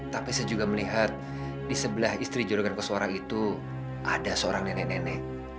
tapi saya juga melihat di sebelah istri juragan koswara itu ada seorang nenek nenek